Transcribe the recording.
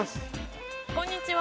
こんにちは。